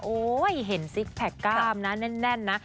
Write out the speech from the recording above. เห็นซิกแพคกล้ามนะแน่นนะ